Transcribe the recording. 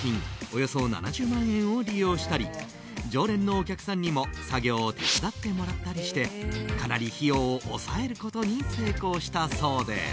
およそ７０万円を利用したり常連のお客さんにも作業を手伝ってもらったりしてかなり費用を抑えることに成功したそうです。